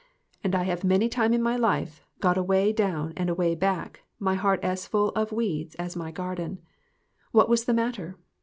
And I have many a time in my life got away down and away back ; my heart as full of weeds as my garden. What was the matter?